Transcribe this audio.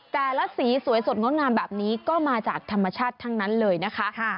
สีสวยสดงดงามแบบนี้ก็มาจากธรรมชาติทั้งนั้นเลยนะคะ